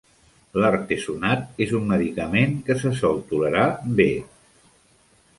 L'artesunat és un medicament que se sol tolerar bé.